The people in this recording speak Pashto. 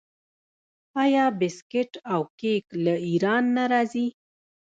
آیا بسکیټ او کیک له ایران نه راځي؟